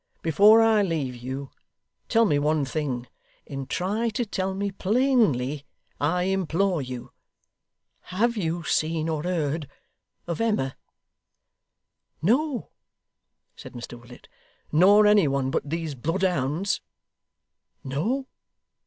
Before I leave you, tell me one thing, and try to tell me plainly, I implore you. Have you seen, or heard of Emma?' 'No!' said Mr Willet. 'Nor any one but these bloodhounds?' 'No!